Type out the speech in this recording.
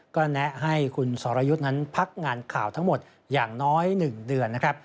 ก็แนะให้คุณสรยุทธ์นั้นพักงานข่าวทั้งหมดอย่างน้อย๑เดือนนะครับ